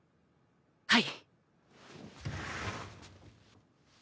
はい！